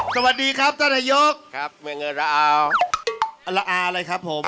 สวัสดีครับท่านนายกครับเมืองเอิญระอาวละอาเลยครับผม